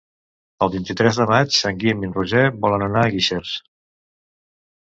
El vint-i-tres de maig en Guim i en Roger volen anar a Guixers.